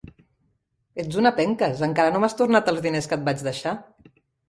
Ets una penques: encara no m'has tornat els diners que et vaig deixar.